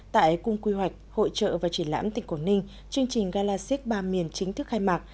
tại cung quy hoạch hội trợ và triển lãm tỉnh quảng ninh chương trình gala siếc ba miền chính thức khai mạc